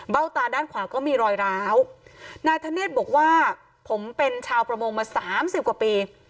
ตาด้านขวาก็มีรอยร้าวนายธเนธบอกว่าผมเป็นชาวประมงมาสามสิบกว่าปี